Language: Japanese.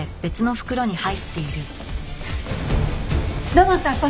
土門さん